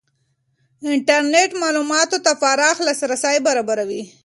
انټرنېټ معلوماتو ته پراخ لاسرسی برابروي.